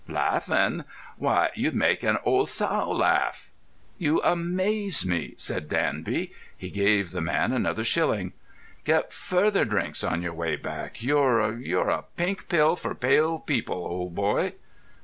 _" "Laffin'? Why, you'd make an old sow laff." "You amaze me," said Danby. He gave the man another shilling. "Get further drinks on your way back. You're—you're a pink pill for pale people, old boy."